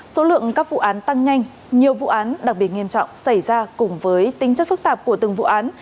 số lượng các vụ án tăng nhanh nhiều vụ án đặc biệt nghiêm trọng xảy ra cùng với tính chất phức tạp của từng vụ án